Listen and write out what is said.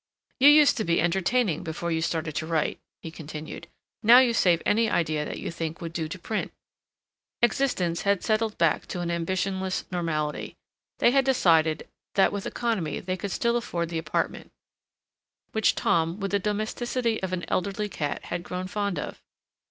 "You used to be entertaining before you started to write," he continued. "Now you save any idea that you think would do to print." Existence had settled back to an ambitionless normality. They had decided that with economy they could still afford the apartment, which Tom, with the domesticity of an elderly cat, had grown fond of.